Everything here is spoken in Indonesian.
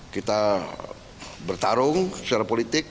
kita bertarung secara politik